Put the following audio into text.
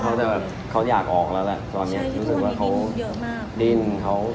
กลัวว่าเขาอยากออกแล้วแหละ